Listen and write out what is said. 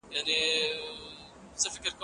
موږ بايد د سياست علم ته د سياستپوهنې نوم وکاروو.